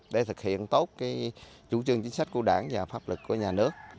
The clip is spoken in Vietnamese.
để thực hiện tốt chủ trương chính sách của đảng và pháp lực của nhà nước